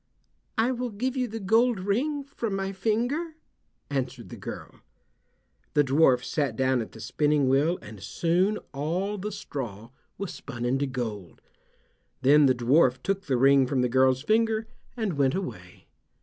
"I will give you the gold ring from my finger," answered the girl. The dwarf sat down at the spinning wheel, and soon all the straw was spun into gold. Then the dwarf took the ring from the girl's finger and went away.